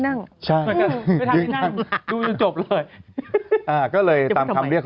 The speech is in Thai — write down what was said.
นั่งใช่นั่งดูจนจบเลยอ่าก็เลยตามคำเรียก